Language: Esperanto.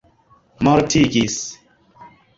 mortigis